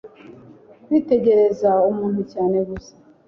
kwitegereza umuntu cyane gusa